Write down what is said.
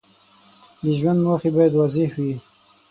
د ژوند موخې باید واضح وي.